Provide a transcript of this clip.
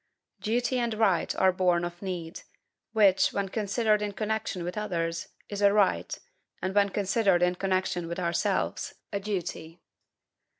DUTY and RIGHT are born of NEED, which, when considered in connection with others, is a RIGHT, and when considered in connection with ourselves, a DUTY.